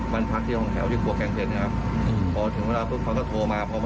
ผมก็เลยบอกว่าเป็นผมครับ